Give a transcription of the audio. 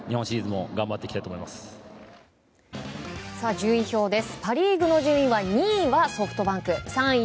順位表です。